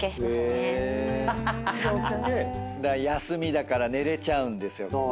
休みだから寝れちゃうんですよ。